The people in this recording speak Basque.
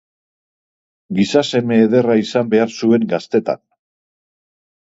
Gizaseme ederra izana behar zuen gaztetan.